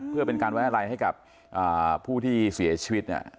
เพื่อเป็นการแว๊ยไล่กับผู้ที่เสียชวิต